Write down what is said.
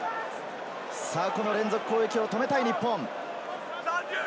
この連続攻撃を止めたい日本。